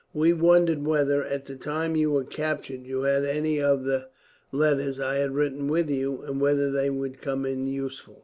We wondered whether, at the time you were captured, you had any of the letters I had written with you, and whether they would come in useful.